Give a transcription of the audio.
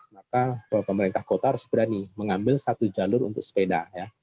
maka pemerintah kota harus berani mengambil satu jalur untuk sepeda